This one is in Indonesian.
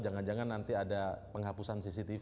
jangan jangan nanti ada penghapusan cctv